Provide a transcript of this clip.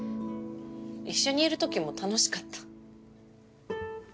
一緒にいるときも楽しかった。